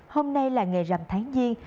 hôm nay là ngày rằm tháng giêng